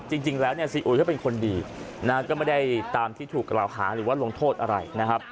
จริงแล้วซีอุ๋ยก็เป็นคนดีก็ไม่ได้ตามที่ถูกกล่าวค้าหรือลงโทษอะไร